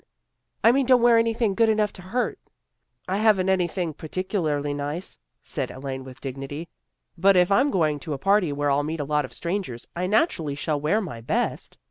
" I mean don't wear anything good enough to hurt." " I haven't anything particularly nice," said Elaine with dignity, " but if I'm going to a party where I'll meet a lot of strangers I natu rally shall wear my best."